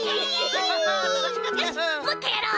よしもっとやろう！